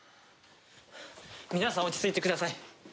皆さん落ち着いてください。